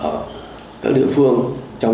ở các địa phương